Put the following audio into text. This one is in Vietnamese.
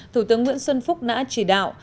thủ tướng nguyễn xuân phúc đã chỉ đạo